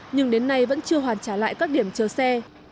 nhưng đến nay vẫn chưa hoàn trả lại các điểm chờ xe